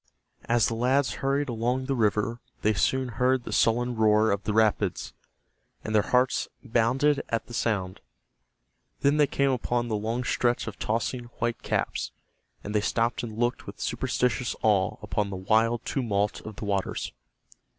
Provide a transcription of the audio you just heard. As the lads hurried along the river they soon heard the sullen roar of the rapids, and their hearts bounded at the sound. Then they came upon the long stretch of tossing white caps, and they stopped and looked with superstitious awe upon the wild tumult of the waters.